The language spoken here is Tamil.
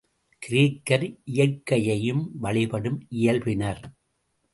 கிரேக்கர் இயற்கையையும் வழிபடும் இயல்பினர்.